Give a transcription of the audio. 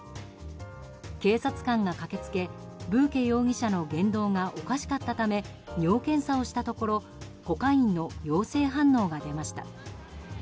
警察官が駆けつけブーケ容疑者の言動がおかしかったため尿検査をしたところコカインの陽性反応が出ました。